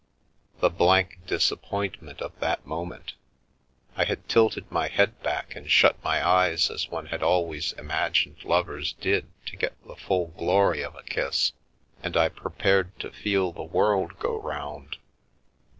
The blank disappointment of that moment! I had tilted my head back and shut my eyes as one had always imagined lovers did to get the full glory of a kiss, and I prepared to feel the world go round.